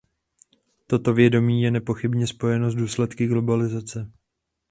Toto vědomí je nepochybně spojeno s důsledky globalizace.